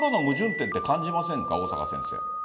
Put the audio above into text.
点って感じませんか、小坂先生。